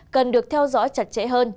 cần được theo dõi chặt chẽ hơn